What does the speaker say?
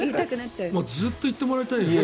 ずっと言ってもらいたい。